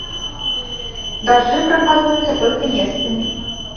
Дажджы прагназуюцца толькі месцамі.